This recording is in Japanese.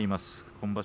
今場所